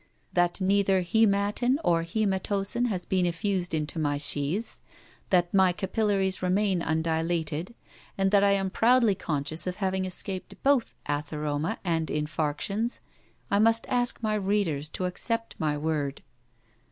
That neither hæmatin nor hæmatosin has been effused into my sheaths, that my capillaries remain undilated, and that I am proudly conscious of having escaped both atheroma and infarctions, I must ask my readers to accept my word.